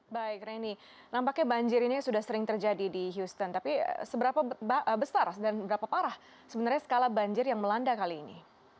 baik reni nampaknya banjir ini sudah sering terjadi di houston tapi seberapa besar dan berapa parah sebenarnya skala banjir yang melanda kali ini